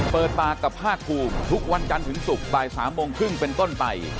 เปิดปากกับภาคภูมิทุกวันจันทร์ถึงศุกร์บ่าย๓โมงครึ่งเป็นต้นไป